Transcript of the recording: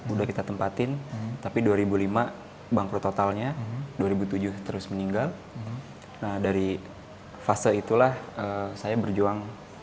udah kita tempatin tapi dua ribu lima bangkrut totalnya dua ribu tujuh terus meninggal nah dari fase itulah saya berjuang